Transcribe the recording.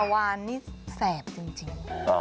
วานนี่แสบจริง